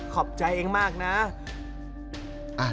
ขอบใจเองมากนะ